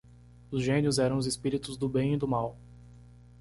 Os gênios eram os espíritos do bem e do mal.